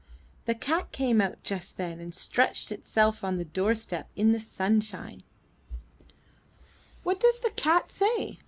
The cat came out just then, and stretched itself on the doorstep in the sunshine. 365 MY BOOK HOUSE *'What does the cat say?'